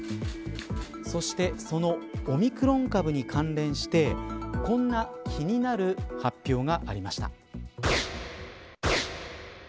そしてそのオミクロン株に関連してこんな気になる発表がありました。